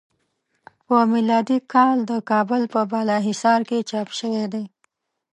په میلادی کال د کابل په بالا حصار کې چاپ شوی دی.